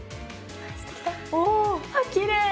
おきれい！